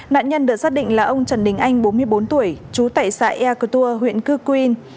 nạn nhân được xác định là ông trần đình anh bốn mươi bốn tuổi trú tại xã ea cơ tua huyện cư quyên